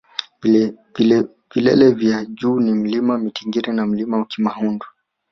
vilele vya juu ni mlima mtingire na mlima kimhandu